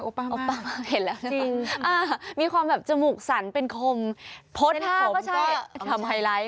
เห็นแล้วน่ะครับมีความจมูกสั่นเป็นคมพดพ้มก็ใช่ทำไฮไลท์